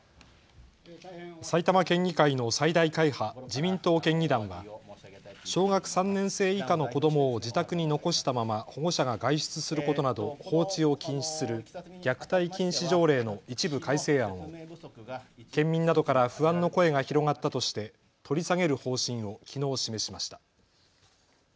埼玉県議会の最大会派自民党県議団は小学３年生以下の子どもを自宅に残したまま保護者が外出することなど放置を禁止する虐待禁止条例の一部改正案を県民などから不安の声が広がったとして取り下げる方針をきのう示しました。